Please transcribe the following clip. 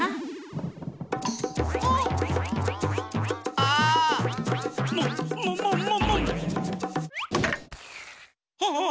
ああ！